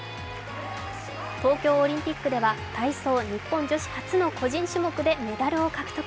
東京オリンピックでは体操日本女子初の個人種目でメダルを獲得。